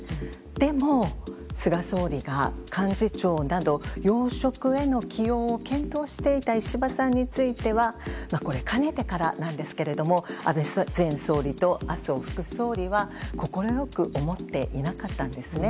でも、菅総理が幹事長など、要職への起用を検討していた石破さんについては、これ、かねてからなんですけれども、安倍前総理と麻生副総理は快く思っていなかったんですね。